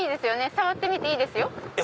触ってみていいですよ。